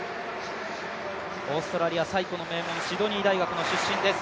オーストラリアの最古の名門シドニー大学の出身です。